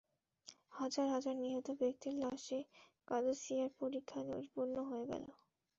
হাজার হাজার নিহত ব্যক্তির লাশে কাদেসিয়ার পরিখা পরিপূর্ণ হয়ে গেল।